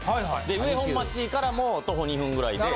上本町からも徒歩２分ぐらいで。